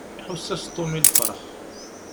Iḥuss-as Tom i lfeṛḥ.